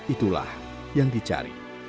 itulah yang dicari